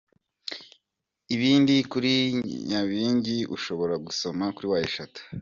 Ibindi kuri nyabingi ushobora gusoma : www.